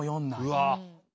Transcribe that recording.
うわ。